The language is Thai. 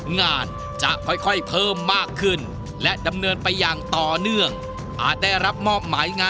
งานจะค่อยเพิ่มมากขึ้นและดำเนินไปอย่างต่อเนื่อง